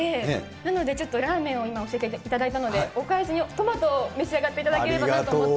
なので、ちょっとラーメンを今、教えていただいたので、お返しにトマトを召し上がっていただければなと思って。